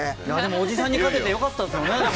おじさんに勝ててよかったですね。